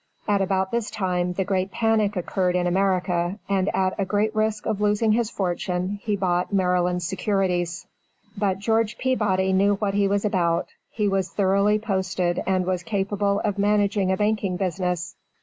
At about this time the great panic occurred in America, and at a great risk of losing his fortune he bought Maryland securities. But George Peabody knew what he was about; he was thoroughly posted and was capable of managing a banking business.